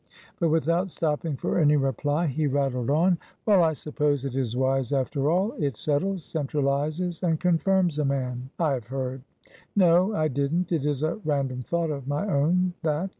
But without stopping for any reply, he rattled on. "Well, I suppose it is wise after all. It settles, centralizes, and confirms a man, I have heard. No, I didn't; it is a random thought of my own, that!